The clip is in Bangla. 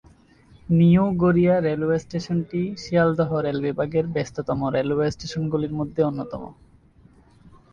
নিউ গড়িয়া রেলওয়ে স্টেশনটি শিয়ালদহ রেল বিভাগের ব্যস্ততম রেলওয়ে স্টেশনগুলির মধ্যে অন্যতম।